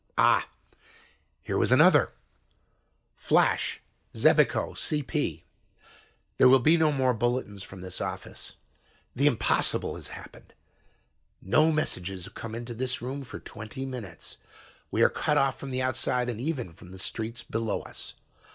Ah, here was another: "Flash Xebico CP "There will be no more bulletins from this office. The impossible has happened. No messages have come into this room for twenty minutes. We are cut off from the outside and even the streets below us.